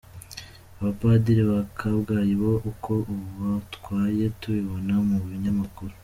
Abapadiri ba Kabgayi bo uko ubatwaye tubibona mu binyamakuru.